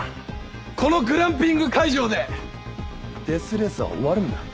このグランピング会場でデス・レースは終わるんだ。